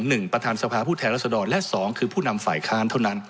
หนึ่งประธานสภาพุทธฤทธรรมและสองคือผู้นำฝ่ายคาญเท่านัน